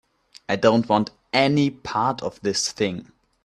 I don't want any part of this thing.